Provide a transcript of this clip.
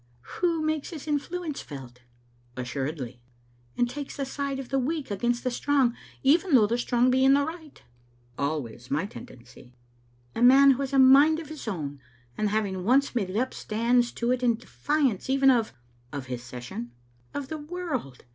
"Who makes his influence felt" "Assuredly." " And takes the side of the weak against the strong, even though the strong be in the right. "" Always my tendency. "" A man who has a mind of his own, and having once made it up stands to it in defiance even of " "Of his session." " Of the world.